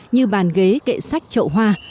như bàn ghế kệ sách trậu hoa